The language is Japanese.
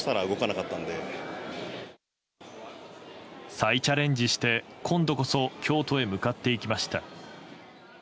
再チャレンジして、今度こそ京都へ向かっていきました。